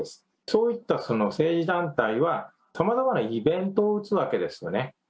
そういった政治団体は、さまざまなイベントを打つわけですよね。